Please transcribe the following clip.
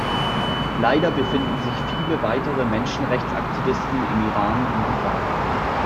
Leider befinden sich viele weitere Menschenrechtsaktivisten im Iran in Gefahr.